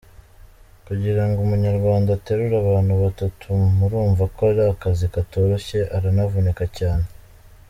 Kugirango Umunyarwanda aterure abantu batatu murumva ko ari akazi katoroshye aravunika cyane.